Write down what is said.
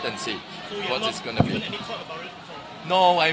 คุณคิดว่าคุณคิดเรื่องนี้ได้ไหม